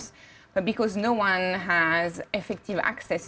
yang meninggal dalam tiga bulan lalu